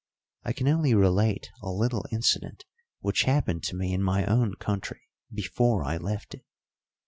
I can only relate a little incident which happened to me in my own country before I left it.